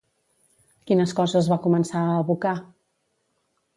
Quines coses va començar a evocar?